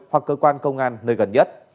hoặc cơ quan công an nơi gần nhất